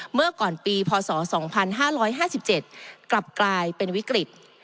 เมื่อก่อนปีพศ๒๕๕๗กลับกลายเป็นวิกฤต